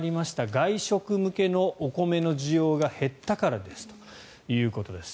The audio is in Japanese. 外食向けのお米の需要が減ったからですということです。